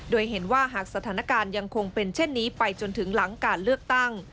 โดยเห็นว่าหากสถานการณ์ยังคงเป็นเช่นนี้ไปจนถึงหลังการเลือกตั้ง